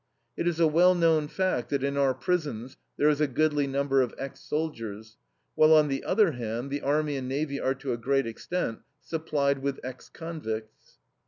It is a well known fact that in our prisons there is a goodly number of ex soldiers; while on the other hand, the army and navy are to a great extent supplied with ex convicts.